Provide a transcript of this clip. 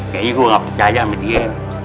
kayaknya gua gak percaya sama dia